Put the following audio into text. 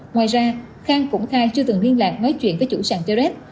ngoài ra khang cũng khai chưa từng liên lạc nói chuyện với chủ sàn trs